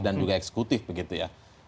dan juga eksekutif begitu ya